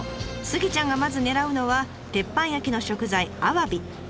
スギちゃんがまず狙うのは鉄板焼きの食材アワビ！